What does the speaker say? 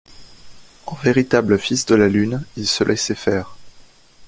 En véritable Fils de la Lune, il se laissait faire.